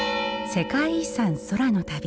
「世界遺産空の旅」